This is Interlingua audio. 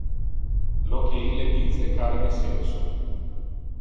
Lo que ille dice care de senso.